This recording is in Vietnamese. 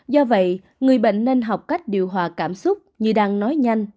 do vậy người bệnh nên học cách điều hòa cảm xúc như đang nói nhanh